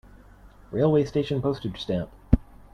Railway station Postage stamp.